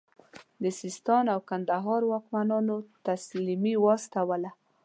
د سیستان او کندهار واکمنانو تسلیمي واستوله.